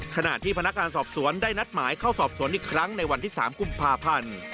ขณะที่พนักงานสอบสวนได้นัดหมายเข้าสอบสวนอีกครั้งในวันที่๓กุมภาพันธ์